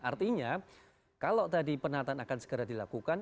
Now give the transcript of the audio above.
artinya kalau tadi penataan akan segera dilakukan